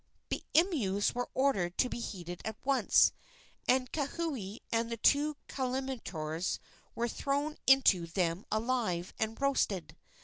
The imus were ordered to be heated at once, and Kauhi and the two calumniators were thrown into them alive and roasted.